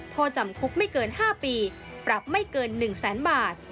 โทษจำคุกไม่เกิน๕ปีปรับไม่เกิน๑แสนบาท